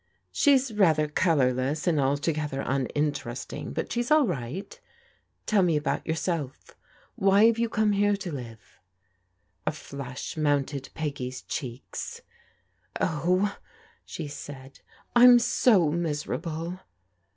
She's rather colourless, and altogether tminteresting, but she's all right Tell me about yoursdf . Why have jrou come here to live? " A flush motmted Peggy's cheeks. Oh," she said. I'm so miserable!